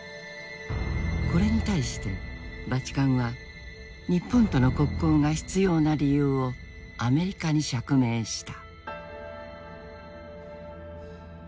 これに対してバチカンは日本との国交が必要な理由をアメリカに釈明した。